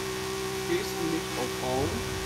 Stehst du nicht auf Frauen?